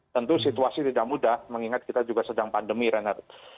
tentu situasi tidak mudah mengingat kita juga sedang pandemi renard